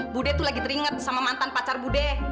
buddha itu lagi teringet sama mantan pacar buddha